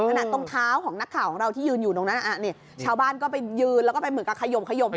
ใช่ขณะตรงเท้าของนักข่าวของเราที่ยืนอยู่ตรงนั้นอ่ะนี่ชาวบ้านก็ไปยื้อแล้วก็ไปเหมือนกับขยมขยมให้ดูอ่ะ